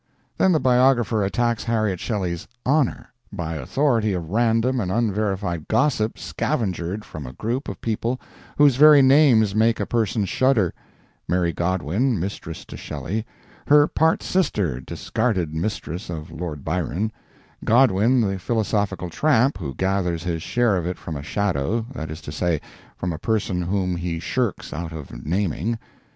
Then the biographer attacks Harriet Shelley's honor by authority of random and unverified gossip scavengered from a group of people whose very names make a person shudder: Mary Godwin, mistress to Shelley; her part sister, discarded mistress of Lord Byron; Godwin, the philosophical tramp, who gathers his share of it from a shadow that is to say, from a person whom he shirks out of naming.